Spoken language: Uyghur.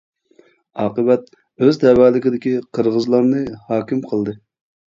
ئاقىۋەت ئۆز تەۋەلىكىدىكى قىرغىزلارنى ھاكىم قىلدى.